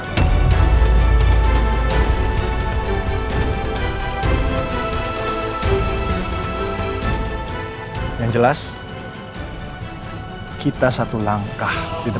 bagaimana cara untuk mendapatkan hak asuh atas reyna